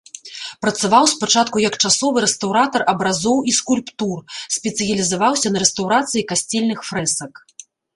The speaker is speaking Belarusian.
Працаваў спачатку як часовы рэстаўратар абразоў і скульптур, спецыялізаваўся на рэстаўрацыі касцельных фрэсак.